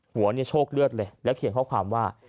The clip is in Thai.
หัวเนี่ยโชคเลือดเลยแล้วเขียนข้อความว่า